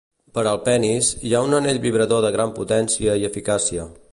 Per al penis, hi ha un anell vibrador de gran potència i eficàcia.